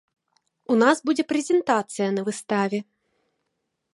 У нас будзе прэзентацыя на выставе.